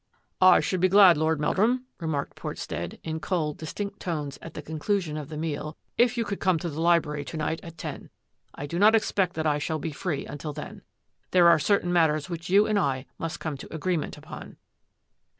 " I should be glad. Lord Meldrum," remarked Portstead, in cold, distinct tones at the conclu sion of the meal, " if you would come to the li brary to night at ten. I do not expect that I shall be free until then. There are certain mat ters which you and I must come to agreement upon."